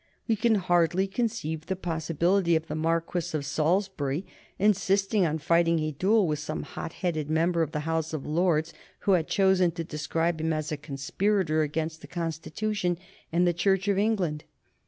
We can hardly conceive the possibility of the Marquis of Salisbury insisting on fighting a duel with some hot headed member of the House of Lords who had chosen to describe him as a conspirator against the Constitution and the Church of England.